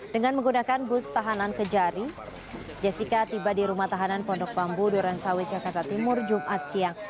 dengan menggunakan bus tahanan kejari jessica tiba di rumah tahanan pondok bambu duren sawit jakarta timur jumat siang